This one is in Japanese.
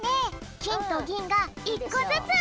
きんとぎんが１こずつ。